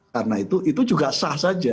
karena itu itu juga sah saja